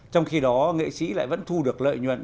trong khi đó nghệ sĩ lại vẫn thu được lợi nhuận